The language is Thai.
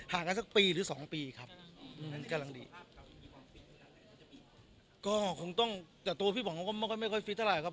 หรือ๒ปีครับก็คงต้องแต่ตัวพี่บ่องก็ไม่ค่อยฟิตเท่าไหร่ครับ